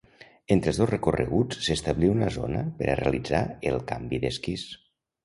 Entre els dos recorreguts s'establí una zona per a realitzar el canvi d'esquís.